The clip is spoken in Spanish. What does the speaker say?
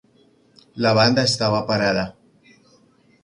La banda estaba parada.